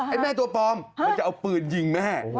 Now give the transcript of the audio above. แม่ตัวปลอมมันจะเอาปืนยิงแม่